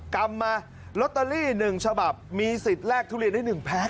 กรรมมาลอตเตอรี่๑ฉบับมีสิทธิ์แลกทุเรียนได้๑แพ็ค